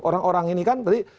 orang orang ini kan tadi